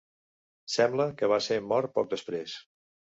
Sembla que va ser mort poc després.